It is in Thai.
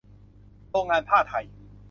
โรงงานผ้าไทย